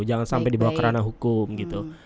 jangan sampai dibawa kerana hukum gitu